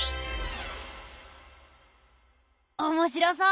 おもしろそう。